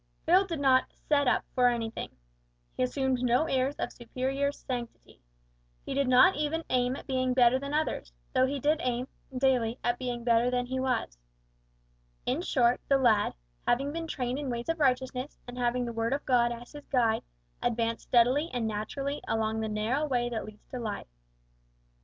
Phil did not "set up" for anything. He assumed no airs of superior sanctity. He did not even aim at being better than others, though he did aim, daily, at being better than he was. In short, the lad, having been trained in ways of righteousness, and having the Word of God as his guide, advanced steadily and naturally along the narrow way that leads to life.